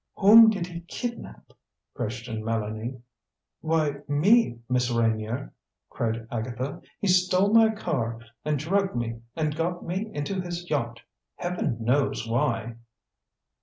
"Whom did he kidnap?" questioned Mélanie. "Why, me, Miss Reynier," cried Agatha. "He stole my car and drugged me and got me into his yacht Heaven knows why!"